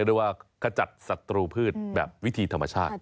อัโวกาโดคือวิธีธรรมชาติ